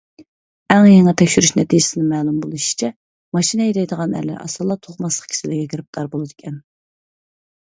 ئەڭ يېڭى تەكشۈرۈش نەتىجىسىدىن مەلۇم بولۇشىچە، ماشىنا ھەيدەيدىغان ئەرلەر ئاسانلا تۇغماسلىق كېسىلىگە گىرىپتار بولىدىكەن.